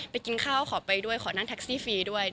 กินข้าวขอไปด้วยขอนั่งแท็กซี่ฟรีด้วย